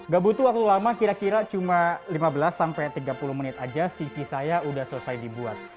gak butuh waktu lama kira kira cuma lima belas sampai tiga puluh menit aja cv saya sudah selesai dibuat